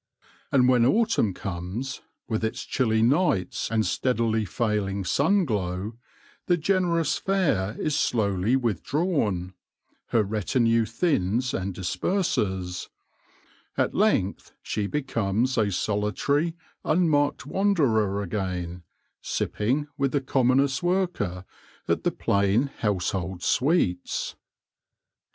And when autumn comes, with its chilly nights and steadily failing sun glow, the generous fare is slowly withdrawn ; her retinue thins and disperses ; at length she becomes a solitary, unmarked wanderer again, sipping, with the commonest worker, at the plain household sweets.